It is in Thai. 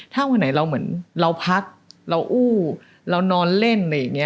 ถ้าวันไหนเราเหมือนเราพักเราอู้เรานอนเล่นอะไรอย่างนี้